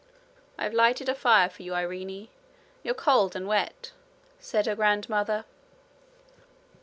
'I've lighted a fire for you, Irene: you're cold and wet,' said her grandmother.